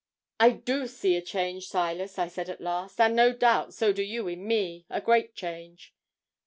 '"I do see a change, Silas," I said at last; "and, no doubt, so do you in me a great change."